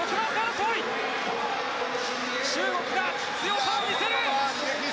中国が強さを見せる！